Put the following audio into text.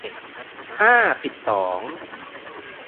ห้าสิบสอง